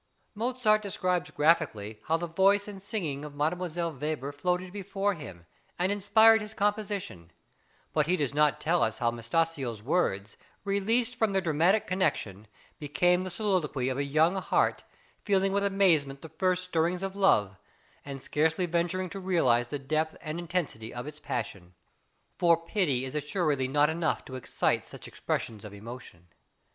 Mozart describes graphically how the voice and singing of Mdlle. Weber floated before him, and inspired his composition, but he does not tell us how Metastasio's words, released from their dramatic connection, became the soliloquy of a young heart, feeling with amazement the first stirrings ot love, and scarcely venturing to realise the depth and intensity of its passion; for pity is assuredly not enough to excite such expressions of emotion.